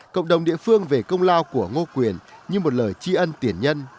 cộng đồng địa phương về công lao của ngô quyền như một lời tri ân tiền nhân